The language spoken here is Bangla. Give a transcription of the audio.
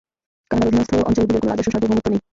কানাডার অধীনস্থ অঞ্চলগুলির কোন নিজস্ব সার্বভৌমত্ব নেই।